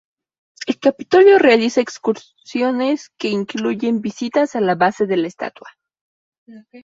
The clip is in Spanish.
El capitolio realiza excursiones que incluyen visitas a la base de la estatua.